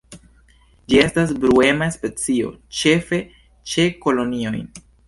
Ĝi estas bruema specio, ĉefe ĉe kolonioj.